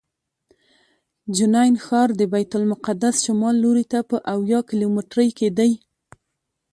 جنین ښار د بیت المقدس شمال لوري ته په اویا کیلومترۍ کې دی.